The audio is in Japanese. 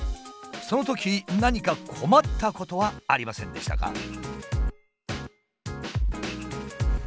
そのとき何か困ったことはありませんでしたか？